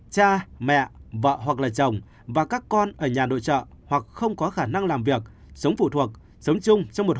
bốn cha mẹ vợ hoặc là chồng và các con ở nhà nội trợ hoặc không có khả năng làm việc sống phụ thuộc sống chung